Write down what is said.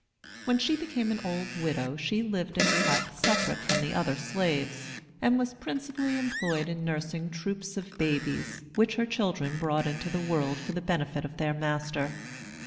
When she became an old widow she lived in a hut separate from the other slaves, and was principally employed in nursing troops of babies, which her children brought into the world for the benefit of their master.